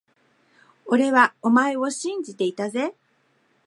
俺はお前を信じていたぜ…